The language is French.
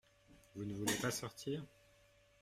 Vous ne voulez pas sortir ?…